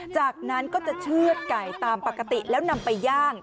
จากนั้นก็จะเชื่อดไก่ตามปกติแล้วนำไปย่าง